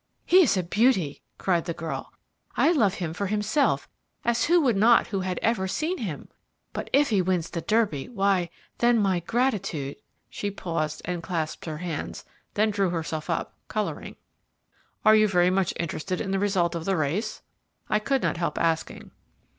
"He is a beauty," cried the girl. "I love him for himself, as who would not who had ever seen him? but if he wins the Derby, why, then, my gratitude " She paused and clasped her hands, then drew herself up, colouring. "Are you very much interested in the result of the race?" I could not help asking.